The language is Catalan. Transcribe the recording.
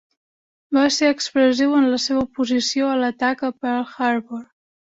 Va ser expressiu en la seva oposició a l'atac a Pearl Harbor.